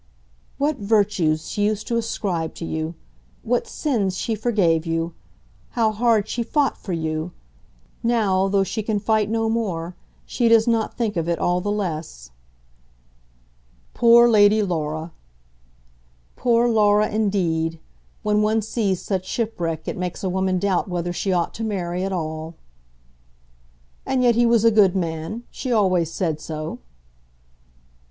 "What virtues she used to ascribe to you! What sins she forgave you! How hard she fought for you! Now, though she can fight no more, she does not think of it all the less." "Poor Lady Laura!" "Poor Laura, indeed! When one sees such shipwreck it makes a woman doubt whether she ought to marry at all." "And yet he was a good man. She always said so."